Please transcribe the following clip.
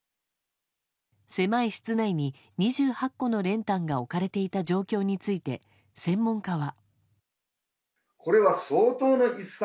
狭い室内に２８個の練炭が置かれていた状況について専門家は。